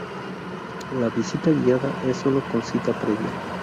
La visita guiada es sólo con cita previa.